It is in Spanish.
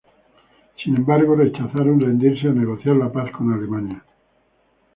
Sin embargo, rechazaron rendirse o negociar la paz con Alemania.